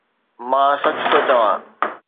مان سچ ٿو چوان